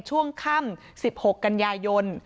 ช่วงค่ำ๑๖กันยายน